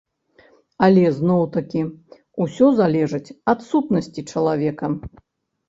Але зноў-такі, усё залежыць ад сутнасці чалавека.